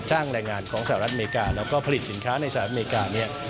แรงงานของสหรัฐอเมริกาแล้วก็ผลิตสินค้าในสหรัฐอเมริกาเนี่ย